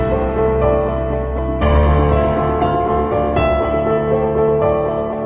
แต่มันก็ไม่มีจำนวนขนาดเรางั้นกระแปไปให้มันมีผู้โชคดี